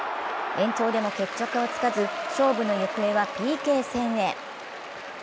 延長でも決着はつかず、勝負の行方はＰＫ戦へ。